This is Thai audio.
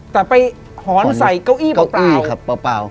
แต่ไปหอนใส่เก้าอี้เปล่า